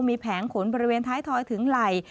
มีแผงขนบริเวณท้ายทอยถึงไหล่